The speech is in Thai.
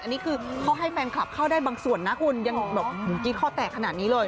อันนี้คือเขาให้แฟนคลับเข้าได้บางส่วนนะคุณยังแบบกี้ข้อแตกขนาดนี้เลย